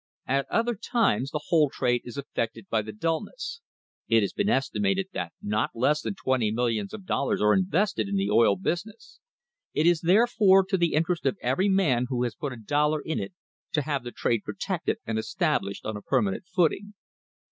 At other times, the whole trade is affected by the dullness. It has been estimated that not less than twenty millions of dollars are invested in the oil business. It is therefore to the interest of every man who has put a dollar in it to have the trade protected and established on a permanent footing.